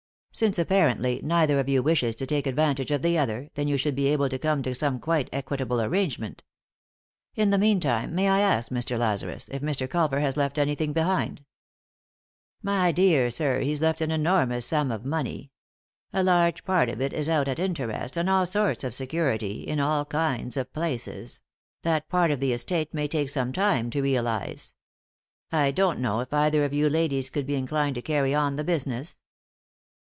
Since, apparently, neither of you wishes to take advantage of the other, then you should be able to come to some quite equitable arrangement In the meantime, may I ask, Mr. Lazarus, if Mr. Culver has left anything behind ?"" My dear sir, he's left an enormous sum of money. A large part of it is out at interest, on all sorts of 47 3i 9 iii^d by Google THE INTERRUPTED KISS security, in all kinds of places; that part of the estate may take some time to realise. I don't know if either of you ladies would be inclined to carry on the business